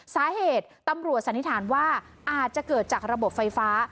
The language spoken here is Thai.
สาเหตุตำรวจสันนิษฐานว่าอาจจะเกิดจากระบบไฟฟ้า